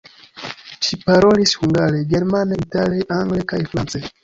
Ŝi parolis hungare, germane, itale, angle kaj france.